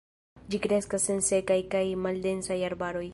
Ĝi kreskas en sekaj kaj maldensaj arbaroj.